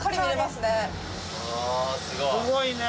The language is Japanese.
すごいね！